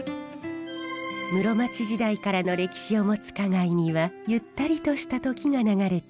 室町時代からの歴史を持つ花街にはゆったりとした時が流れています。